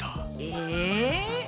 え！